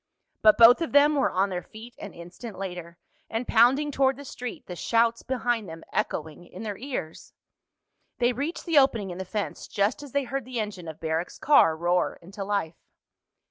But both of them were on their feet an instant later and pounding toward the street, the shouts behind them echoing in their ears. They reached the opening in the fence just as they heard the engine of Barrack's car roar into life.